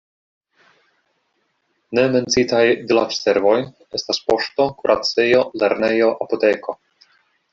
Ne menciitaj vilaĝservoj estas poŝto, kuracejo, lernejo, apoteko.